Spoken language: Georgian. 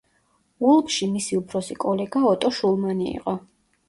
ულმში მისი უფროსი კოლეგა ოტო შულმანი იყო.